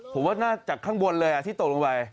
ผมว่าน่าจะจากข้างบนเลยที่ตกลงไป